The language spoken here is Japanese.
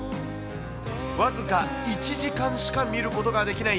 僅か１時間しか見ることができない